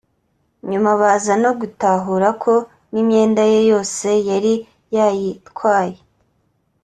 nyuma baza no gutahura ko n’imyenda ye yose yari yayitwaye